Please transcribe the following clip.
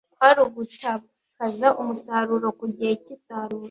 kwari ugutakaza umusaruro ku gihe cy’isarura